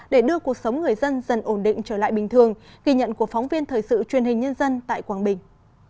để đưa cuộc sống người dân dần ổn định trở lại bình thường ghi nhận của phóng viên thời sự truyền hình nhân dân tại quảng bình